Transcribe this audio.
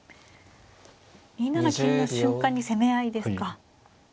２七金の瞬間に攻め合いですか。